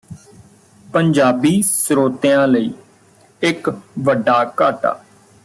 ਪੰਜਾਬੀ ਸਰੋਤਿਆਂ ਲਈ ਇਕ ਵੱਡਾ ਘਾਟਾ